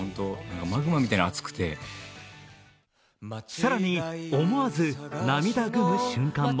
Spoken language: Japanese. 更に、思わず涙ぐむ瞬間も。